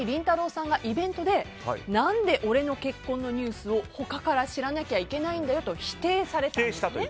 さんがイベントで何で俺の結婚のニュースを他から知らなきゃいけないんだよと否定されたんです。